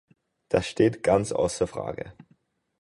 Das steht ganz außer Frage.